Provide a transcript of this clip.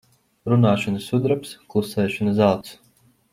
Runāšana sudrabs, klusēšana zelts.